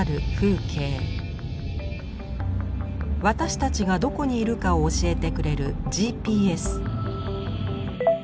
私たちがどこにいるかを教えてくれるＧＰＳ。